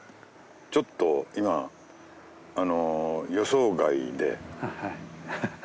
ちょっと今予想外で。